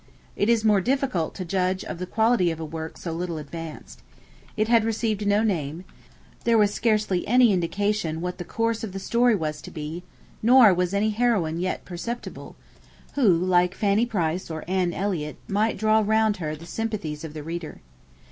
It is more difficult to judge of the quality of a work so little advanced. It had received no name; there was scarcely any indication what the course of the story was to be, nor was any heroine yet perceptible, who, like Fanny Price, or Anne Elliot, might draw round her the sympathies of the reader.